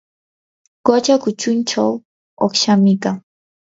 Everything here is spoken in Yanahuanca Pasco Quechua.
qucha kuchunchaw uqshami kan.